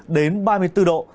hai mươi bốn đến ba mươi bốn độ